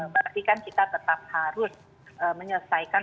berarti kan kita tetap harus menyelesaikan